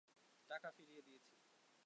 টাকা ফিরিয়ে দিয়েছি।